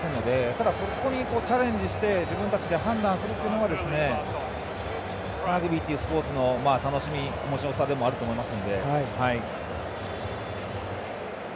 ただ、そこにチャレンジして自分たちで判断するというのがラグビーというスポーツの楽しみおもしろさでもあると思います。